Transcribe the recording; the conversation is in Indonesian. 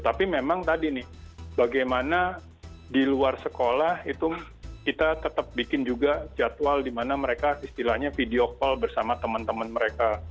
tapi memang tadi nih bagaimana di luar sekolah itu kita tetap bikin juga jadwal di mana mereka istilahnya video call bersama teman teman mereka